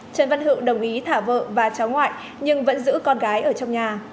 trần văn hữu đồng ý thả vợ và cháu ngoại nhưng vẫn giữ con gái ở trong nhà